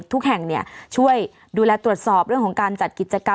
ทุกแห่งช่วยดูแลตรวจสอบเรื่องของการจัดกิจกรรม